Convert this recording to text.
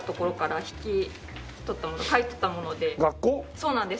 そうなんです。